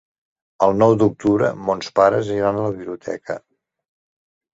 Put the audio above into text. El nou d'octubre mons pares iran a la biblioteca.